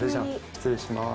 失礼します。